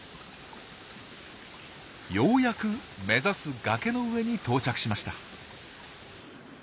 ようやく目指す崖の上に到着しました。